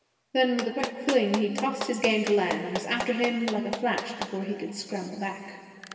Then with a quick fling he tossed his game to land, and was after him like a flash before he could scramble back.